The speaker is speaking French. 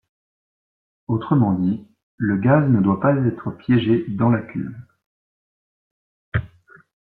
Autrement dit, le gaz ne doit pas être piégé dans la cuve.